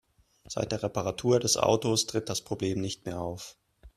Seit der Reparatur des Autos tritt das Problem nicht mehr auf.